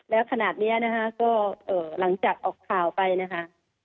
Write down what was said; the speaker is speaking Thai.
แล้วขนาดนี้นะคะก็หลังจากออกข่าวไปนะคะ